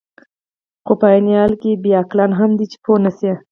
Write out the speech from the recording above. خو په عین حال کې بې عقلان هم دي، چې پوه نه شي.